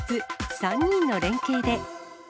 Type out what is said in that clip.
３人の連係で。